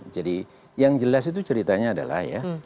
jadi yang jelas itu ceritanya adalah ya